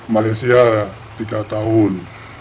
malaysia tiga tahun